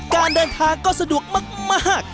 การเดินทางก็สะดวกมาก